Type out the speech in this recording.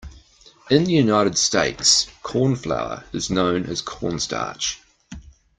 In the United States, cornflour is known as cornstarch